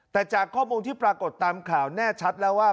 แต่จากข้อมูลที่ปรากฏตามข่าวแน่ชัดแล้วว่า